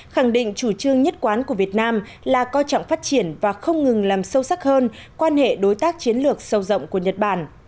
khẳng định chủ trương nhất quán của việt nam là coi trọng phát triển và không ngừng làm sâu sắc hơn quan hệ đối tác chiến lược sâu rộng của nhật bản